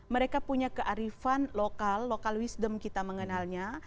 mereka punya kearifan lokal lokal wisdom kita mengenalnya